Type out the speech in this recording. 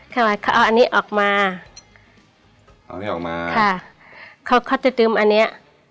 เขาเอาอันนี้ออกมาเอาอันนี้ออกมาค่ะเขาเขาจะดึมอันนี้